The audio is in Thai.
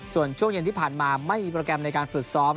ส่วนช่วงเย็นที่ผ่านมาไม่มีโปรแกรมในการฝึกซ้อม